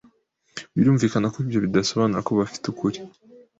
Birumvikana ko ibyo bidasobanura ko bafite ukuri.